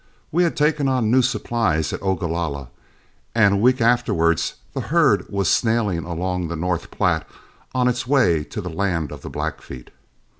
We had taken on new supplies at Ogalalla, and a week afterwards the herd was snailing along the North Platte on its way to the land of the Blackfeet.